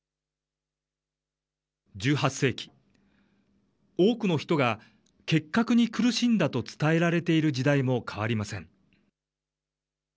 １８世紀、多くの人が結核に苦しんだと伝えられている時代も変わりません。